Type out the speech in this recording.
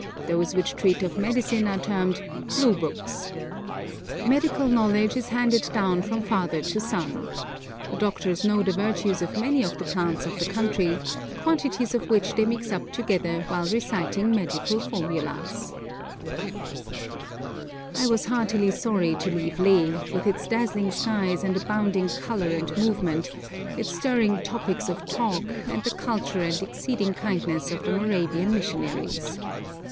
Those which treat of medicine are termed 'blue books.' Medical knowledge is handed down from father to son. The doctors know the virtues of many of the plants of the country, quantities of which they mix up together while reciting magical formulas. [Illustration: CHANG PA CHIEF] I was heartily sorry to leave Leh, with its dazzling skies and abounding colour and movement, its stirring topics of talk, and the culture and exceeding kindness of the Moravian missionaries.